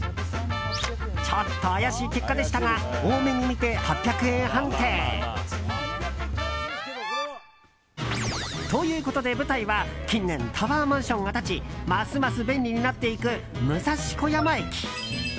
ちょっと怪しい結果でしたが大目に見て８００円判定！ということで舞台は近年、タワーマンションが建ちますます便利になっていく武蔵小山駅。